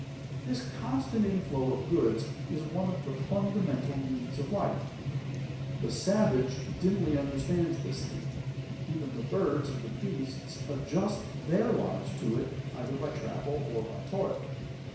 This constant inflow of goods is one of the fundamental needs of life. The savage dimly understands this need. Even the birds and the beasts adjust their lives to it either by travel or by toil.